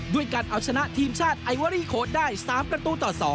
ด้วยการเอาชนะทีมชาติไอเวอรี่โค้ดได้๓ประตูต่อ๒